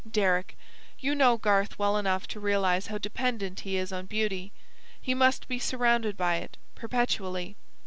Deryck, you know Garth well enough to realise how dependent he is on beauty; he must be surrounded by it, perpetually.